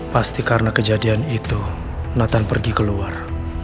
pasti karena kejadian itu nathan pergi keluar